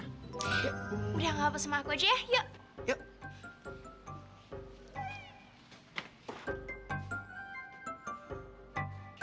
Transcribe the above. udah gak apa sama aku aja ya yuk